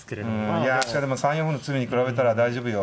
いやしかしまあ３四歩の罪に比べたら大丈夫よ。